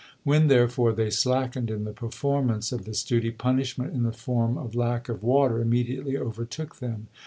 When, therefore, they slackened in the performance of this duty, punishment in the form of lack of water immediately overtook them.